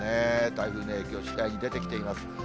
台風の影響、次第に出てきています。